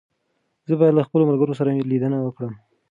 زه بايد له خپلو ملګرو سره ليدنه وکړم.